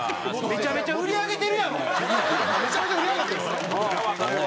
めちゃめちゃ売り上げてるんですね。